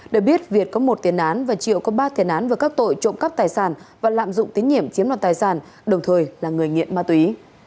để biết việt có một tiền án và triệu có ba tiền án về các tội trộm cắp tài sản và lạm dụng tín nhiệm chiếm đoạt tài sản đồng thời là người nghiện ma túy